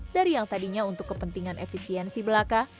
dari yang tadinya untuk kepentingan efisiensi belaka